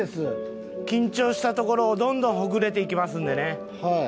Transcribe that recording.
緊張したところをどんどんほぐれていきますんでね。